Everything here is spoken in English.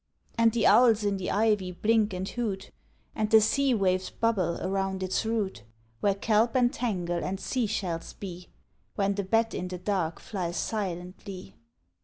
_) And the owls in the ivy blink and hoot, And the sea waves bubble around its root, Where kelp and tangle and sea shells be, When the bat in the dark flies silently.